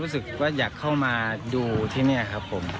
รู้สึกว่าอยากเข้ามาดูที่นี่ครับผม